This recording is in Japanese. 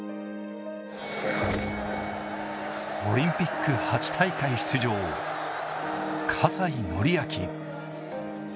オリンピック８大会出場、葛西紀明。